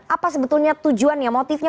apa sebetulnya tujuannya motifnya